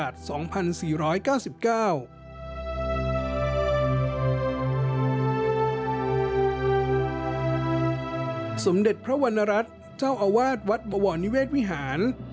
สมเด็จพระวรรณรัฐเจ้าอาวาสวัดบวรนิเวศวิหาร